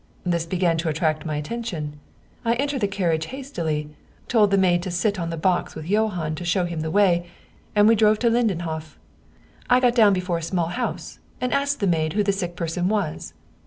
This began to attract my at tention. I entered the carriage hastily, told the maid to sit on the box with Johann to show him the way, and we drove to Lindenhof. I got down before a small house, and asked the maid who the sick person was."